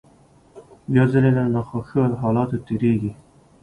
بيا ځلې له ناخوښو حالاتو تېرېږي.